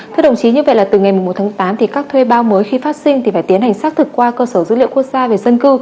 thưa đồng chí như vậy là từ ngày một tháng tám thì các thuê bao mới khi phát sinh thì phải tiến hành xác thực qua cơ sở dữ liệu quốc gia về dân cư